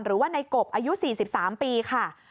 หรือว่าในกบอายุ๔๓ปีค่ะ